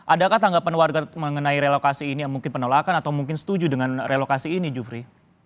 adakah tanggapan warga mengenai relokasi ini yang mungkin penolakan atau mungkin setuju dengan relokasi ini jufri